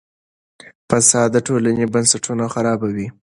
فساد د ټولنې بنسټونه خرابوي.